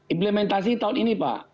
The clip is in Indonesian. implementasi tahun ini pak